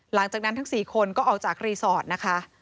หลังจากนั้นทั้ง๔คนก็ออกจากรีสอร์ทนะคะ